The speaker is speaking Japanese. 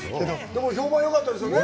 評判よかったですよね。